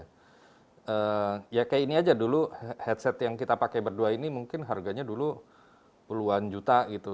ya kayak ini aja dulu headset yang kita pakai berdua ini mungkin harganya dulu puluhan juta gitu